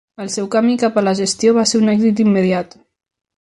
El seu camí cap a la gestió va ser un èxit immediat.